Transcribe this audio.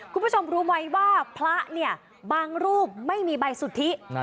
คุณผู้ชมรู้ไหมว่าพระเนี่ยบางรูปไม่มีใบสุทธิ